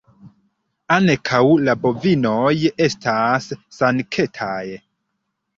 Ankaŭ la bovinoj estas sanktaj.